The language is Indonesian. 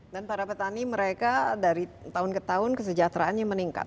dan para petani mereka dari tahun ke tahun kesejahteraannya meningkat